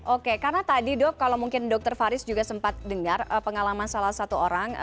oke karena tadi dok kalau mungkin dokter faris juga sempat dengar pengalaman salah satu orang